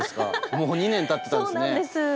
もう２年たってたんですね。